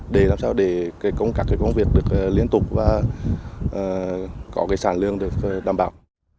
để làm sao để các cái công việc được liên tục và có cái sản lương được đảm bảo